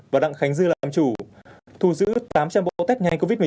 và đặng khánh dư làm chủ thu giữ tám trăm linh bộ test nhanh covid một mươi chín